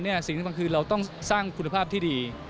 สิ่งที่มันคือเราต้องสร้างคุณภาพที่ดี